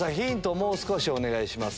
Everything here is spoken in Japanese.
もう少しお願いします。